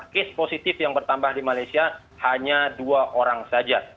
case positif yang bertambah di malaysia hanya dua orang saja